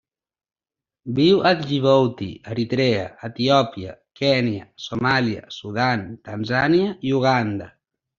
Viu a Djibouti, Eritrea, Etiòpia, Kenya, Somàlia, Sudan, Tanzània i Uganda.